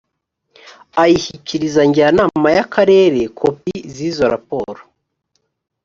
ashyikiriza njyanama y akarere kopi z’izo raporo